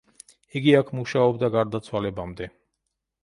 იგი აქ მუშაობდა გარდაცვალებამდე.